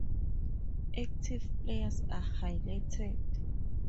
Active players are highlighted.